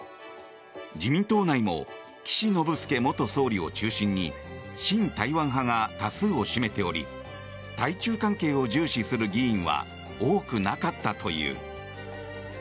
自民党内も岸信介元総理を中心に親台湾派が多数を占めており対中関係を重視する議員は多くなかったという。